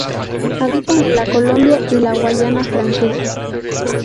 Habita en Colombia y la Guayana Francesa.